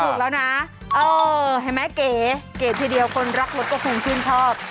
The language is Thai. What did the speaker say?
ถูกแล้วนะเออเห็นไหมเก๋เก๋ทีเดียวคนรักรถก็คงชื่นชอบ